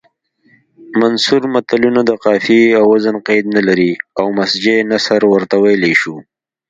منثور متلونه د قافیې او وزن قید نلري او مسجع نثر ورته ویلی شو